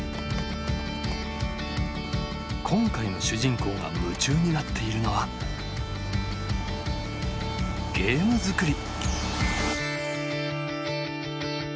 今回の主人公が夢中になっているのはゲーム作り。